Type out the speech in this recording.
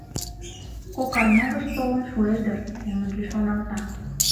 — Кок арня гыч толын шуэш дыр, — семынже шоналта.